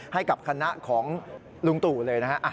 ให้กับคณะของลุงตู่เลยนะฮะ